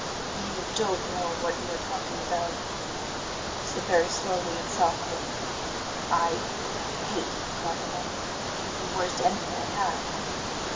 "You don't know what you are talking about," he said very slowly and softly. "I hate the Cardinal. He is the worst enemy I have."